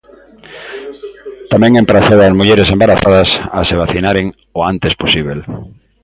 Tamén emprazou as mulleres embarazadas a se vacinaren "o antes posíbel".